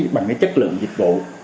bằng chất lượng dịch vụ